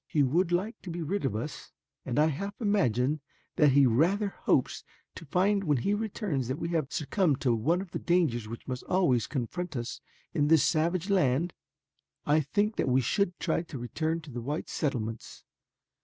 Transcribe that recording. He would like to be rid of us, and I half imagine that he rather hopes to find when he returns that we have succumbed to one of the dangers which must always confront us in this savage land. "I think that we should try to return to the white settlements.